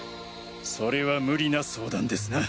それは無理な相談ですな。